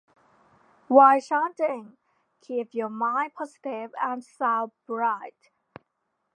While chanting, keep your mind positive and sound bright.